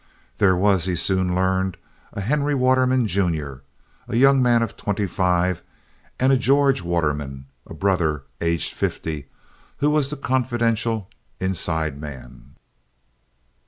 There was, he soon learned, a Henry Waterman, Jr., a young man of twenty five, and a George Waterman, a brother, aged fifty, who was the confidential inside man.